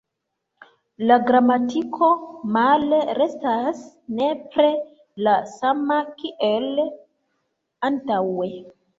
La gramatiko male restas nepre la sama kiel antaŭe".